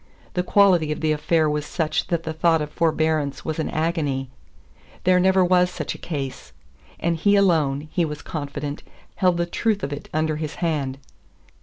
The quality of the affair was such that the thought of forbearance was an agony. There never was such a case; and he alone, he was confident, held the truth of it under his hand.